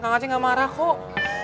kang aceh gak marah kok